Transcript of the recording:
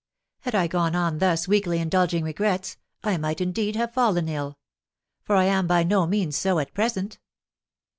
Had I gone on thus weakly indulging regrets, I might, indeed, have fallen ill, for I am by no means so at present.